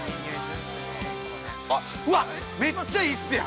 ◆あっ、わっめっちゃいいっすやん。